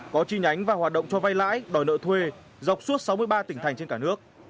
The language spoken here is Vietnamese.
có chi nhánh và hoạt động cho vay lãi đòi nợ thuê dọc suốt sáu mươi ba tỉnh thành trên cả nước